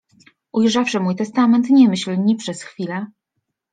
Ujrzawszy mój testament nie myśl ni przez chwilę…